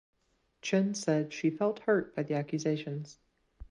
Chen said she felt "hurt" by the accusations.